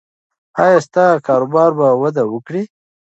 ایا ستا کاروبار به وده وکړي؟